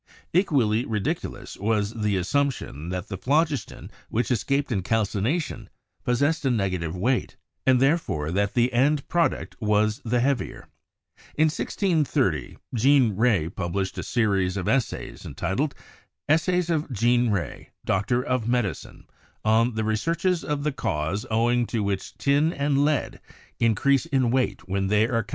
Equally ridiculous was the assumption that the phlogiston which escaped in calcination possessed a nega tive weight, and therefore that the end product was the heavier. In 1630 Jean Rey published a series of essays entitled: 'Essays of Jean Rey, Doctor of Medicine, on the Re searches of the Cause owing to which Tin and Lead in crease in Weight when they are calcined.'